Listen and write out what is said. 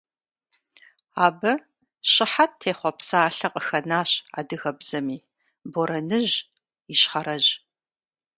Абы щыхьэт техъуэ псалъэ къыхэнащ адыгэбзэми – «борэныжь», ищхъэрэжь.